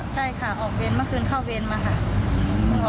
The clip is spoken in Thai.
ใช่ค่ะออกเวรเมื่อคืนเข้าเวรมาค่ะ